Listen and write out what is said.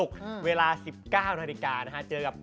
ก็ฝากนะฮะ